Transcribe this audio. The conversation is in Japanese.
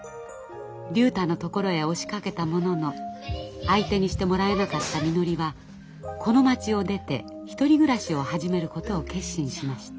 竜太のところへ押しかけたものの相手にしてもらえなかったみのりはこの町を出て１人暮らしを始めることを決心しました。